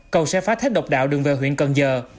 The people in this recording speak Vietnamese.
cầu sẽ phá thế độc đạo đường về huyện cần giờ